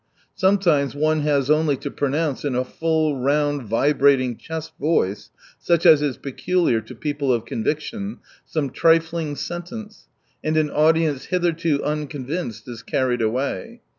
Sometimes one has only to pronounce in a full, round, vibrating chest voice, such as is peculiar to people of conviction, some trifling sentence, and an audience hitherto unconvinced is carried away.